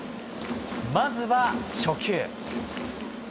まずは初球。